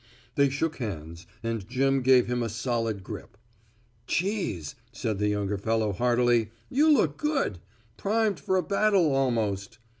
They shook hands and Jim gave him a solid grip. "Cheese," said the younger fellow heartily, "you look good primed for a battle, almost."